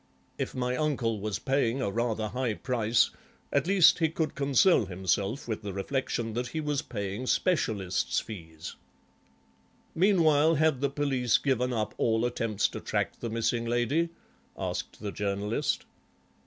If my uncle was paying a rather high price, at least he could console himself with the reflection that he was paying specialists' fees." "Meanwhile had the police given up all attempts to track the missing lady?" asked the Journalist.